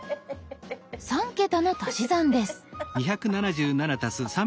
３桁の足し算です。